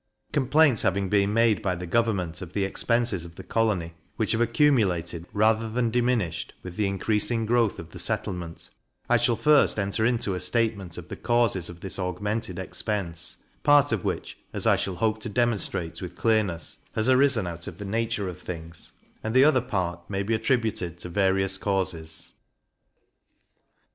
Complaints having been made by the government of the expenses of the colony, which have accumulated, rather than diminished, with the increasing growth of the settlement, I shall first enter into a statement of the causes of this augmented expense, part of which, as I shall hope to demonstrate with clearness, has arisen out of the nature of things, and the other part may be attributed to various causes.